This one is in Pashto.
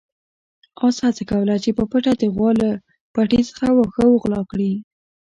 اس هڅه کوله چې په پټه د غوا له پټي څخه واښه وغلا کړي.